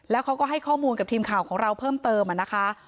แล้วเขาก็ให้ข้อมูลกับทีมข่าวของเราเพิ่มเติมนะคะ